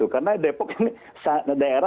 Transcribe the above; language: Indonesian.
karena depok ini daerah yang sangat terbuka